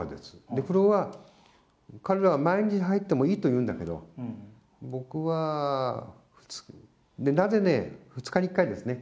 お風呂は、彼らは毎日入ってもいいと言うんだけど、僕は、２日に１回ですね。